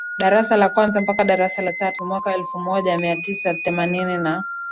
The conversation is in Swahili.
darasa la kwanza mpaka darasa la tatuMwaka elfu moja mia tisa themanini na